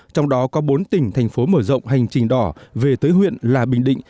trong đó có bốn tỉnh thành phố mở rộng hành trình đỏ về tới huyện là bình định